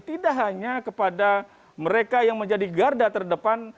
tidak hanya kepada mereka yang menjadi garda terdepan